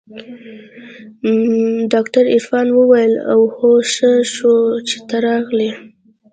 ډاکتر عرفان وويل اوهو ښه شو چې ته راغلې.